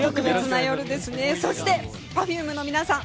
そしてＰｅｒｆｕｍｅの皆さん